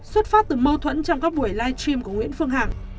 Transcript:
xuất phát từ mâu thuẫn trong các buổi live stream của nguyễn phương hằng